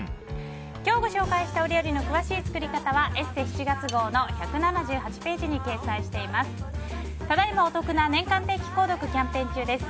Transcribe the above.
今日ご紹介した料理の詳しい作り方は「ＥＳＳＥ」７月号の１７８ページに掲載しています。